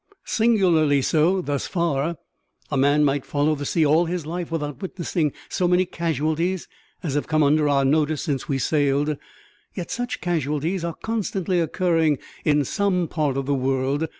"Singularly so, thus far. A man might follow the sea all his life without witnessing so many casualties as have come under our notice since we sailed. Yet such casualties are constantly occurring in some part of the world.